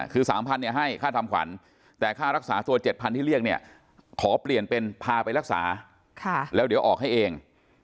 คือ๓๐๐เนี่ยให้ค่าทำขวัญแต่ค่ารักษาตัว๗๐๐ที่เรียกเนี่ยขอเปลี่ยนเป็นพาไปรักษาแล้วเดี๋ยวออกให้เอง